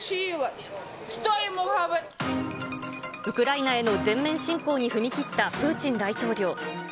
ウクライナへの全面侵攻に踏み切ったプーチン大統領。